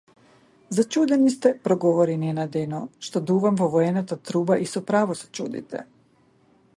Зачудени сте, проговори ненадејно, што дувам во воената труба и со право се чудите!